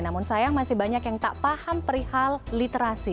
namun sayang masih banyak yang tak paham perihal literasi